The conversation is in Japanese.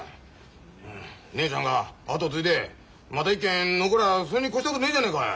姉ちゃんがあとを継いでまた一軒残りゃそれに越したことねえじゃねえか。